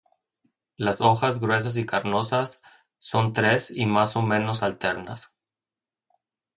Las hojas gruesas y carnosas, son tres y más o menos alternas.